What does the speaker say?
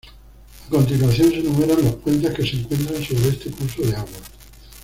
A continuación se enumeran los puentes que se encuentran sobre este curso de agua.